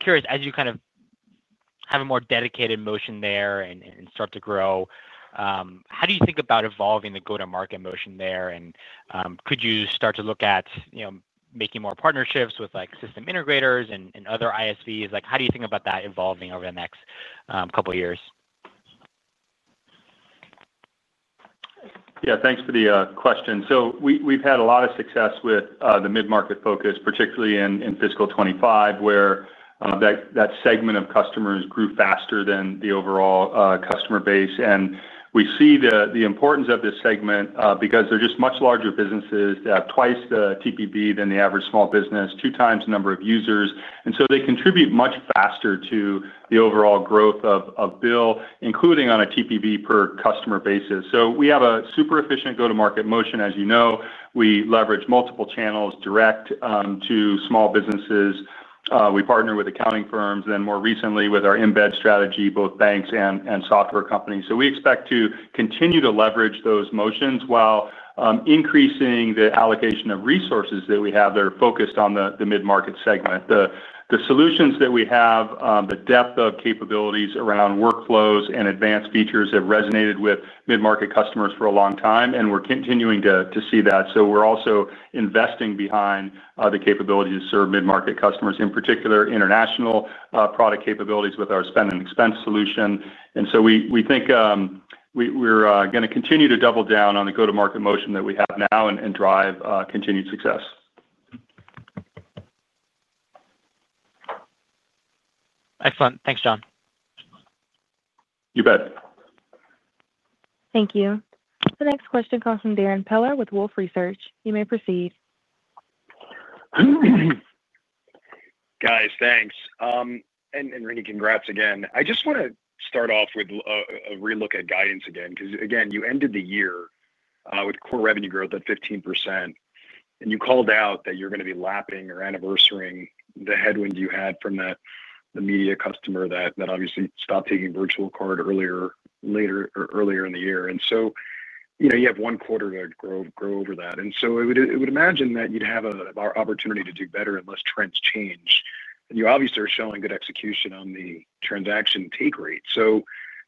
curious as you kind of have a more dedicated motion there and start to grow, how do you think about evolving the go-to-market motion there? Could you start to look at making more partnerships with system integrators and other ISVs? How do you think about that evolving over the next couple of years? Yeah, thanks for the question. We've had a lot of success with the mid-market focus, particularly in fiscal 2025 where that segment of customers grew faster than the overall customer base. We see the importance of this segment because they're just much larger businesses, twice the TPV than the average small business, two times the number of users, and they contribute much faster to the overall growth of BILL, including on a TPV per customer basis. We have a super efficient go-to-market motion. As you know, we leverage multiple channels: direct to small businesses, we partner with accounting firms, and more recently with our Embed 2.0 strategy, both banks and software companies. We expect to continue to leverage those motions while increasing the allocation of resources that we have that are focused on the mid-market segment. The solutions that we have have the depth of capabilities around workflows and advanced features that resonated with mid-market customers for a long time, and we're continuing to see that. We're also investing behind the capability to serve mid-market customers, in particular international product capabilities with our Spend and Expense management solution. We think we're going to continue to double down on the go-to-market motion that we have now and drive continued success. Excellent. Thanks, John. You bet. Thank you. The next question comes from Darrin Peller with Wolfe Research. You may proceed. Guys. Thanks and ringing congrats again. I just want to start off with a relook at guidance again because you ended the year with core revenue growth at 15% and you called out that you're going to be lapping or anniversarying the headwind you had from the media customer that obviously stopped taking virtual card earlier in the year. You have one quarter to grow over that. I would imagine that you'd have an opportunity to do better unless trends change and you obviously are showing good execution on the transaction take rate.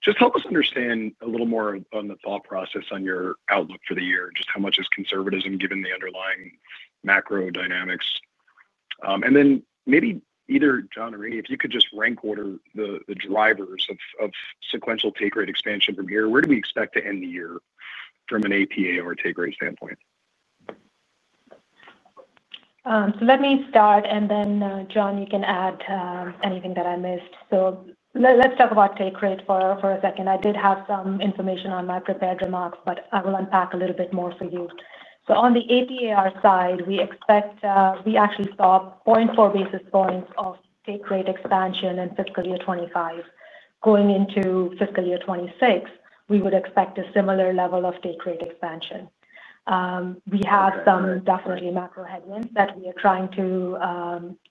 Just help us understand a little more on the thought process on your outlook for the year, just how much is conservatism given the underlying macro dynamics. Maybe either John, or if you could just rank order the drivers of sequential take rate expansion from here. Where do we expect to end the. Year from an AP or take rate standpoint? Let me start, and then John, you can add anything that I missed. So. Let's talk about take rate for a second. I did have some information in my prepared remarks, but I will unpack a little bit more for you. On the AP/AR side, we actually saw 0.4 basis points of take rate expansion in fiscal year 2025. Going into fiscal year 2026, we would expect a similar level of take rate expansion. We have some definite macro headwinds that we are trying to,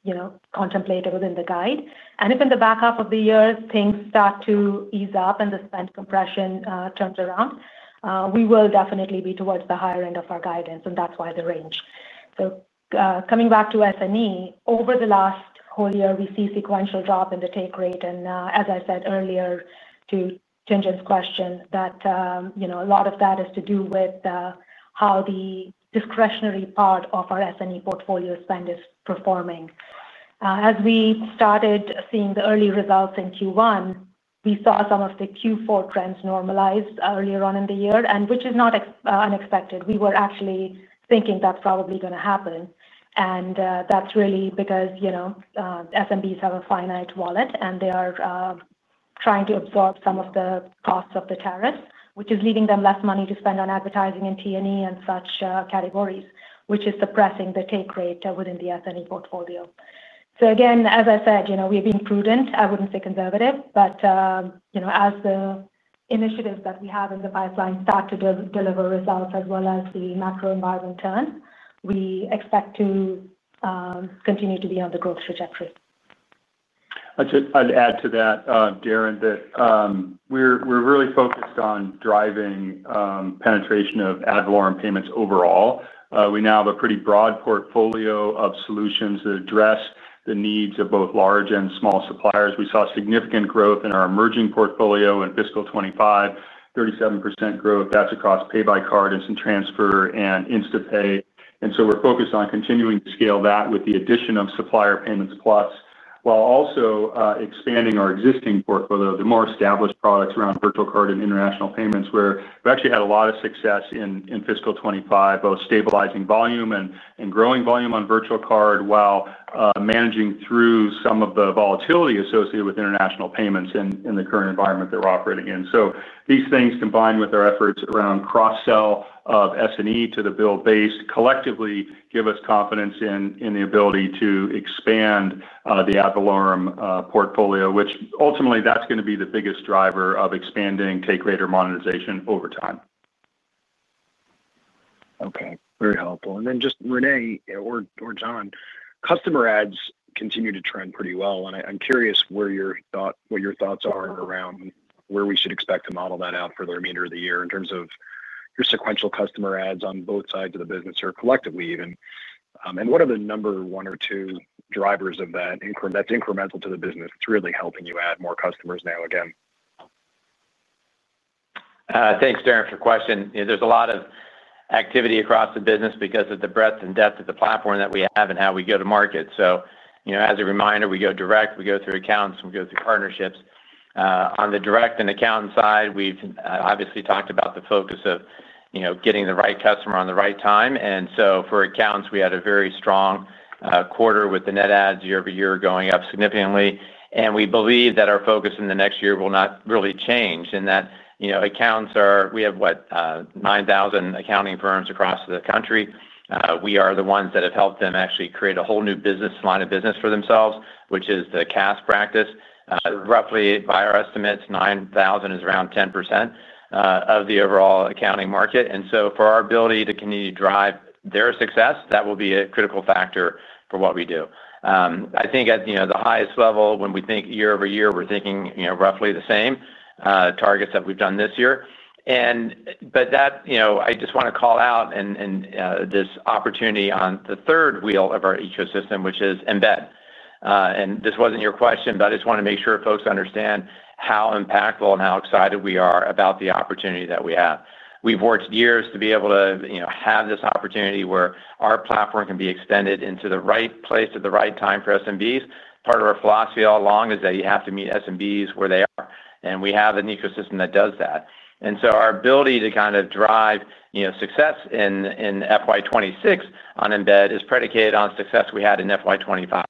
you know, contemplate within the guide. If in the back half of. The year things start to ease up and the spend compression turns around, we will definitely be towards the higher end of our guidance and that's why the range. Coming back to S&E, over the last whole year we see sequential drop in the take rate and as I said earlier to Tien-tsin's question, a lot of that is to do with how the discretionary part of our S&E portfolio spend is performing. As we started seeing the early results in Q1, we saw some of the Q4 trends normalized earlier on in the year, which is not unexpected. We were actually thinking that's probably going to happen and that's really because SMBs have a finite wallet and they are trying to absorb some of the costs of the tariffs, which is leaving them less money to spend on advertising and T&E and such categories, which is suppressing the take rate within the S&E portfolio. As I said, we've been prudent. I wouldn't say conservative, but as the initiatives that we have in the pipeline start to deliver results as well as the macro environment turn, we expect to continue to be on the growth trajectory. I'd add to that, Darrin, that we're really focused on driving penetration of ad valorem payments overall. We now have a pretty broad portfolio of solutions that address the needs of both large and small suppliers. We saw significant growth in our emerging portfolio in fiscal 2025, 37% growth that's across pay by card, instant transfer, and Instapay. We're focused on continuing to scale that with the addition of Supplier Payments Plus while also expanding our existing portfolio, the more established products around Virtual Card and international payments, where we've actually had a lot of success in fiscal 2025, both stabilizing volume and growing volume on Virtual Card while managing through some of the volatility associated with international payments in the current environment they're operating in. These things, combined with our efforts around cross-sell of BILL S&E to the BILL base, collectively give us confidence in the ability to expand the ad valorem portfolio, which ultimately is going to be the biggest driver of expanding take rate or monetization over time. Okay, very helpful. René or John, customer adds continue to trend pretty well. I'm curious what your thoughts are around where we should expect to model that out for the remainder of the year in terms of your sequential customer adds on both sides of the business or collectively even. What are the number one or two drivers of that? That's incremental to the business. It's really helping you add more customers. Thanks, Darrin, for the question. There's a lot of activity across the business because of the breadth and depth of the platform that we have and how we go to market. As a reminder, we go direct, we go through accountants, we go through partnerships. On the direct and accountant side, we've obviously talked about the focus of getting the right customer at the right time. For accountants, we had a very strong quarter with the net adds year-over-year going up significantly. We believe that our focus in the next year will not really change and that accountants are, we have, what, 9,000 accounting firms across the country. We are the ones that have helped them actually create a whole new business line for themselves, which is the CAS practice. Roughly, by our estimates, 9,000 is around 10% of the overall accounting market. Our ability to continue to drive their success will be a critical factor for what we do. I think at the highest level, when we think year-over-year, we're thinking roughly the same targets that we've done this year. I just want to call out this opportunity on the third wheel of our ecosystem, which is Embed. This wasn't your question, but I just want to make sure folks understand how impactful and how excited we are about the opportunity that we have. We've worked years to be able to have this opportunity where our platform can be extended into the right place at the right time for SMBs. Part of our philosophy all along is that you have to meet SMBs where they are and we have an ecosystem that does that. Our ability to drive success in FY 2026 on Embed is predicated on success we had in FY 2025.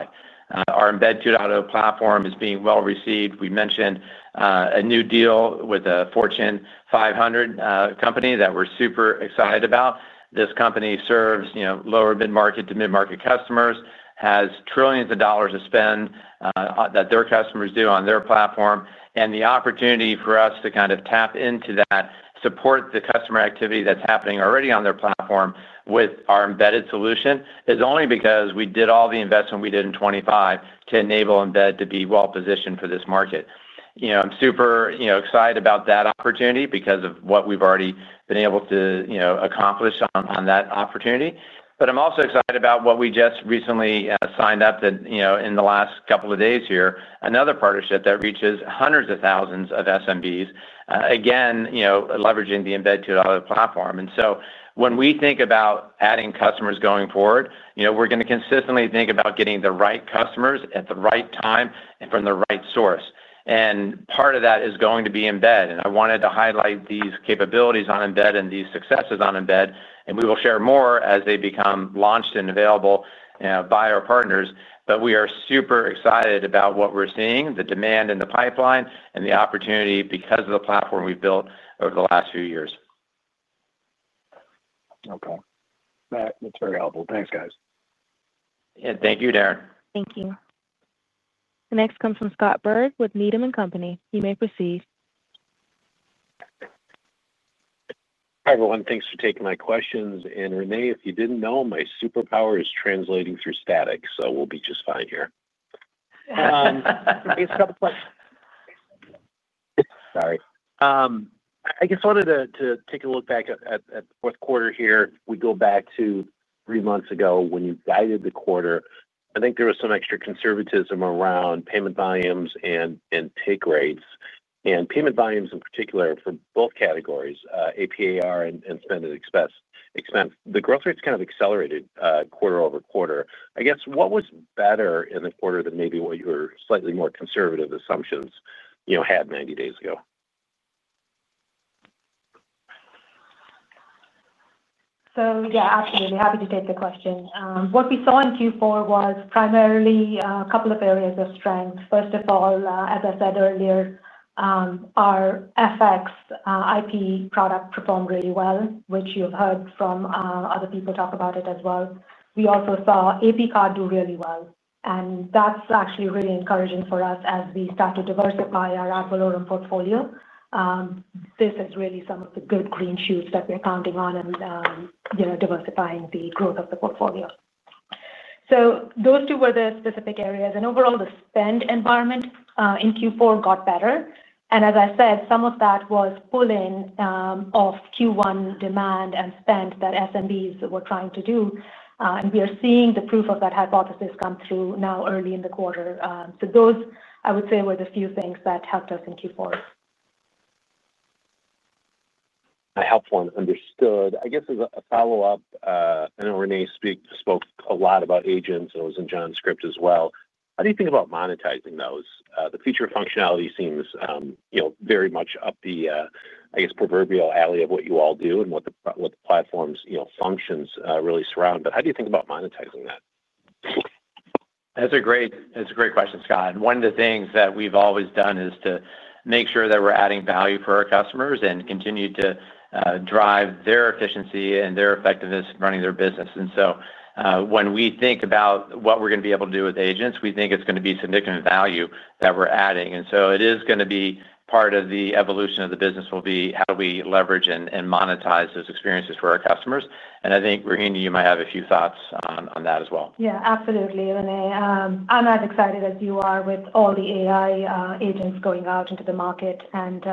Our Embed 2.0 platform is being well received. We mentioned a new deal with a Fortune 500 company that we're super excited about. This company serves lower mid-market to mid-market customers, has trillions of dollars to spend that their customers do on their platform. The opportunity for us to tap into that, support the customer activity that's happening already on their platform with our embedded solution, is only because we did all the investment we did in 2025 to enable Embed to be well positioned for this market. I'm super excited about that opportunity because of what we've already been able to accomplish on that opportunity. I'm also excited about what we just recently signed up in the last couple of days here, another partnership that reaches hundreds of thousands of SMBs, again leveraging the Embed 2.0 platform. When we think about adding customers going forward, we're going to consistently think about getting the right customers at the right time from the right source. Part of that is going to be Embed. I wanted to highlight these capabilities on Embed and these successes on Embed, and we will share more as they become launched and available by our partners. We are super excited about what we're seeing, the demand in the pipeline, and the opportunity because of the platform we've built over the last few years. Okay. It's very helpful. Thanks guys and thank you. Darrin. Thank you. Next comes from Scott Berg with Needham & Company. You may proceed. Hi everyone. Thanks for taking my questions. René, if you didn't know, my superpower is translating through static. We'll be just fine here. I just wanted to take a look back at fourth quarter. Here we go back to three months ago when you guided the quarter. I think there was some extra conservatism around payment volumes and take rates, and payment volumes in particular for both categories, AP/AR and Spend and Expense. The growth rates kind of accelerated quarter over quarter. I guess what was better in the quarter than maybe what your slightly more conservative assumptions had 90 days ago. Absolutely. Happy to take the question. What we saw in Q4 was primarily a couple of areas of strength. First of all, as I said earlier, our FX IP product performed really well, which you've heard from other people talk about as well. We also saw AP Card do really well, and that's actually really encouraging for us as we start to diversify our ad valorem portfolio. This is really some of the good green shoots that we're counting on in diversifying the growth of the portfolio. Those two were the specific areas. Overall, the spend environment in Q4 got better. As I said, some of that. Pulling off Q1 demand and spend that SMBs were trying to do, we are seeing the proof of that hypothesis come through now early in the quarter. Those, I would say, were the few things that helped us in Q4. I helped one understand, I guess as a follow-up. I know René spoke a lot about agents and it was in John's script as well. How do you think about monetizing those? The feature functionality seems very much up the, I guess, proverbial alley of what you all do and what the platform's functions really surround. How do you think about monetizing that? That's a great question, Scott. One of the things that we've always done is to make sure that we're adding value for our customers and continue to drive their efficiency and their effectiveness running their business. When we think about what we're going to be able to do with agents, we think it's going to be significant value that we're adding. It is going to be part of the evolution of the business, how do we leverage and monetize those experiences for our customers. I think Rohini, you might have a few thoughts on that as well. Yeah, absolutely. René, I'm as excited as you are with all the AI agents going out into the market, and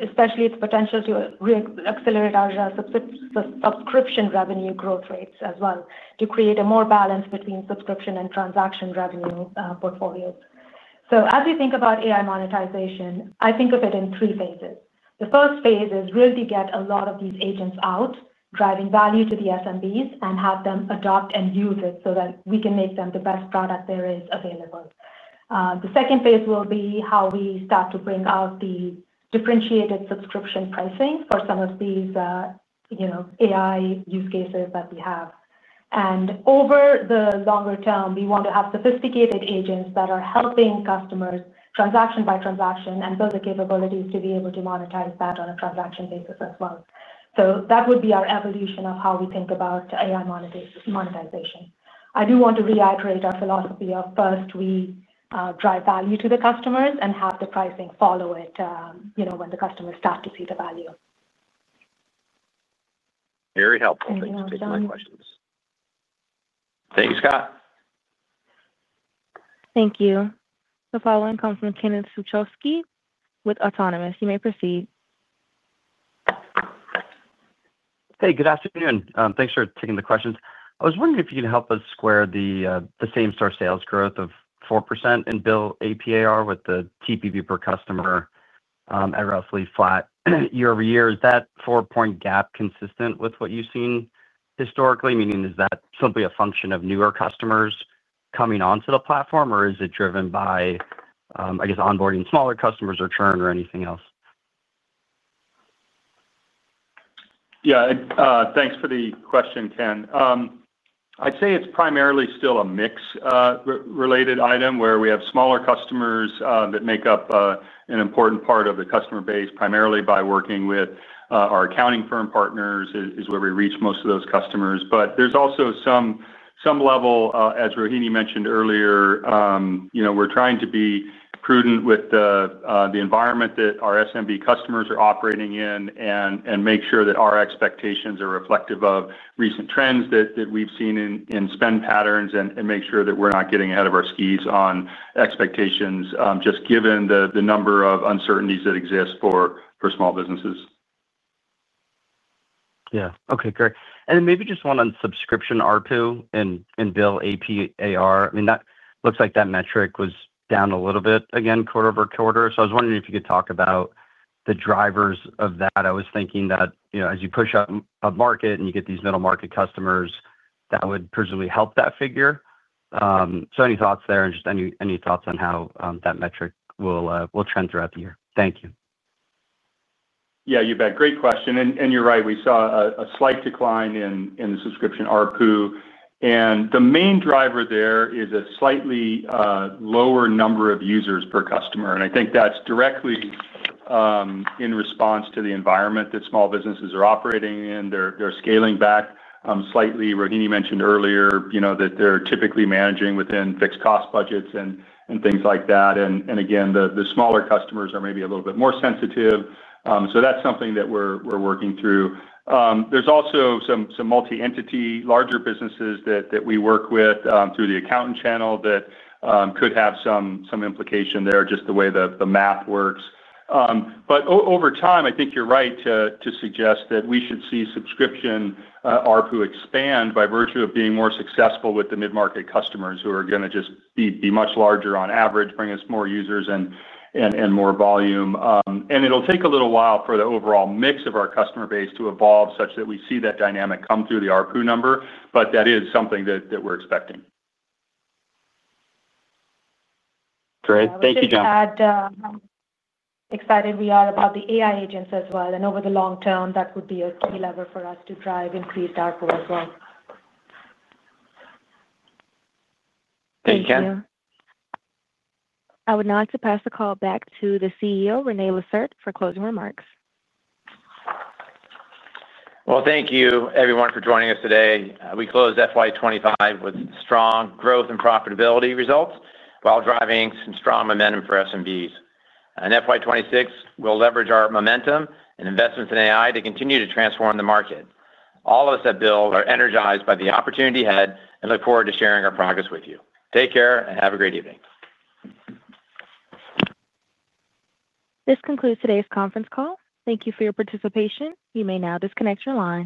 especially its potential to accelerate our subscription revenue growth rates as well, to create a more balance between subscription and transaction revenue portfolios. As you think about AI monetization, I think of it in three phases. The first phase is really to get a lot of these agents out, driving value to the SMBs and have them adopt and use it so that we can make them the best product there is available. The second phase will be how we start to bring out the differentiated subscription pricing for some of these AI use cases that we have. Over the longer term, we want to have sophisticated agents that are helping customers transaction by transaction and build the capabilities to be able to monetize that on a transaction basis as well. That would be our evolution of how we think about AI monetization. I do want to reiterate our philosophy of first we drive value to the customers and have the pricing follow it, when the customers start to see the value. Very helpful, thank you. Thank you, Scott. Thank you. The following comes from Ken Suchoski with Autonomous. You may proceed. Hey, good afternoon. Thanks for taking the questions. I was wondering if you can help. U.S. square the same store sales growth of 4% in BILL, apart with the TPP per customer at roughly flat year-over-year. That 4 point gap consistent with what you've seen historically. Meaning, is that simply a function of newer customers coming onto the platform, or is it driven by, I guess, onboarding smaller customers or churn or anything else? Yeah, thanks for the question, Ken. I'd say it's primarily still a mix-related item where we have smaller customers that make up an important part of the customer base. Primarily by working with our accounting firm partners is where we reach most of those customers. There's also some level, as Rohini mentioned earlier. We're trying to be prudent with the environment that our SMB customers are operating in and make sure that our expectations are reflective of recent trends that we've seen in spend patterns and make sure that we're not getting ahead of our skis on expectations, given the number of uncertainties that exist for small businesses. Okay, great. Maybe just one on subscription ARPU and BILL AP/AR. That metric was down a little bit again, quarter over quarter. I was wondering if you could talk about the drivers of that. I was thinking that, you know, as you push up a market and you get these mid-market customers, that would. Presumably help that figure. Any thoughts there and just any thoughts on how that metric will trend throughout the year? Thank you. Yeah, you bet. Great question. You're right. We saw a slight decline in the subscription ARPU, and the main driver there is a slightly lower number of users per customer. I think that's directly in response to the environment that small businesses are operating in. They're scaling back slightly. Rohini mentioned earlier that they're typically managing within fixed cost budgets and things like that. The smaller customers are maybe a little bit more sensitive. That's something that we're working through. There's also some multi-entity larger businesses that we work with through the accountant channel that could have some implication there, just the way the math works. Over time, I think you're right to suggest that we should see subscription ARPU expand by virtue of being more successful with the mid-market customers who are going to just be much larger on average, bring us more users and more volume, and it'll take a little while for the overall mix of our customer base to evolve such that we see that dynamic come through the ARPU number. That is something that we're expecting. Great, thank you. John. We are excited about the AI agents as well. Over the long term, that would be a key lever for us to drive and see TARPO as well. Thank you. I would now like to pass the. Call back to the CEO René Lacerte for closing remarks. Thank you everyone for joining us today. We closed FY 2025 with strong growth and profitability results while driving some strong momentum for SMBs. FY 2026 will leverage our momentum and investments in AI to continue to transform the market. All of us at BILL are energized by the opportunity ahead and look forward to sharing our progress with you. Take care and have a great evening. This concludes today's conference call. Thank you for your participation. You may now disconnect your lines.